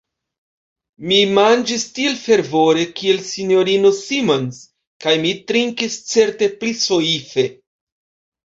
Mi manĝis tiel fervore, kiel S-ino Simons, kaj mi trinkis certe pli soife.